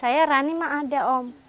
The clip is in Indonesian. saya rani mah ada om